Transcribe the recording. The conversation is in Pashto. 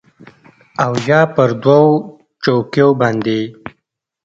او یا پر دوو چوکیو باندې